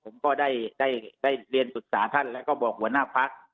ผมก็ได้เรียนปรึกษาท่านแล้วก็บอกหัวหน้าพัก